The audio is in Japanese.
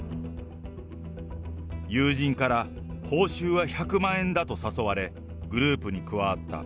友人から、報酬は１００万円だと誘われ、グループに加わった。